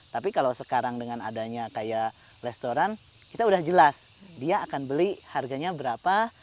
tapi kalau sekarang dengan adanya kayak restoran kita udah jelas dia akan beli harganya berapa